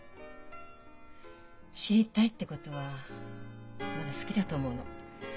知りたいってことはまだ好きだと思うの。